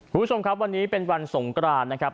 คุณผู้ชมครับวันนี้เป็นวันสงกรานนะครับ